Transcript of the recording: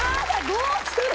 どうする？